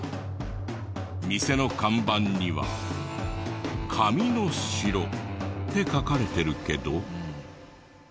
店の看板には「紙の城」って書かれてるけど。